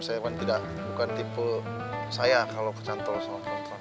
saya kan bukan tipe saya kalau kecantol sama perempuan